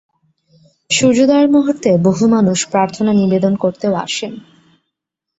সূর্যোদয়ের মুহূর্তে বহু মানুষ প্রার্থনা নিবেদন করতেও আসেন।